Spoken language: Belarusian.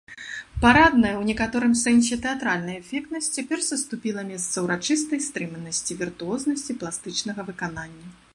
Парадная, у некаторым сэнсе тэатральная эфектнасць цяпер саступіла месца ўрачыстай стрыманасці, віртуознасці пластычнага выканання.